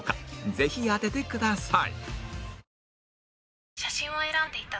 ぜひ当ててください